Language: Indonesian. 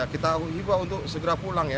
kita hibau untuk segera pulang